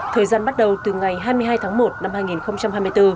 thời gian bắt đầu từ ngày hai mươi hai tháng một năm hai nghìn hai mươi bốn